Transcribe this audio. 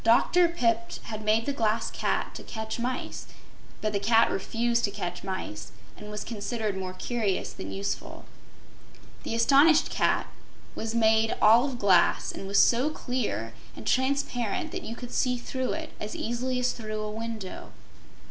Dr. Pipt had made the Glass Cat to catch mice, but the Cat refused to catch mice and was considered more curious than useful. This astonished cat was made all of glass and was so clear and transparent that you could see through it as easily as through a window.